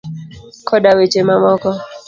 koda weche mamoko.